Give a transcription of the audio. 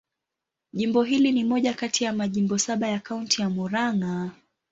Jimbo hili ni moja kati ya majimbo saba ya Kaunti ya Murang'a.